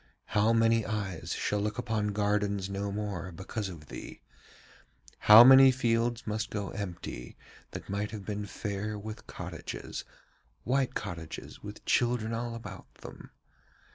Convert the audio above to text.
How many eyes shall look upon gardens no more because of thee? How many fields must go empty that might have been fair with cottages, white cottages with children all about them?